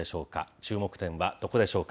注目点はどこでしょうか。